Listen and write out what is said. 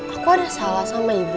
aku ada salah sama ibu